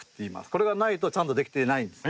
これがないとちゃんとできていないんです。